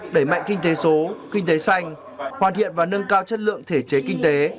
đẩy mạnh kinh tế số kinh tế xanh hoạt hiện và nâng cao chất lượng thể chế kinh tế